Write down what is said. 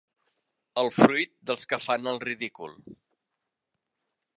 El fruit dels que fan el ridícul.